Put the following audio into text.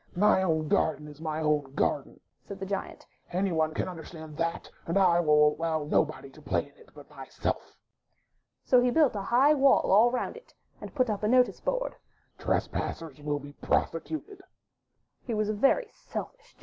''My own garden is my own garden,'* said the Giant; "any one can understand that, and I will allow nobody to play in it but myself." So he built a high wall all round it, and put up a notice board: Kvtupasiiittsi mm iOSe $ro£;ecuteti He was a very selfish Giant.